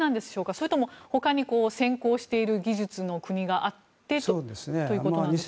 それともほかに先行している技術の国があってということでしょうか？